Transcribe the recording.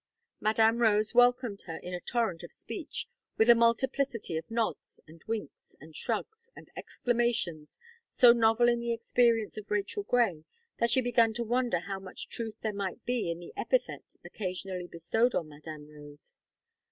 Madame Rose welcomed her in a torrent of speech, with a multiplicity of nods, and winks, and shrugs, and exclamations, so novel in the experience of Rachel Gray, that she began to wonder how much truth there might be in the epithet occasionally bestowed on Madame Rose.